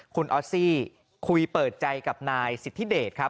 คุณออสซี่คุยเปิดใจกับนายสิทธิเดชครับ